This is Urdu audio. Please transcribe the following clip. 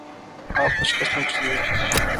آپ کو شکست ہوچکی ہے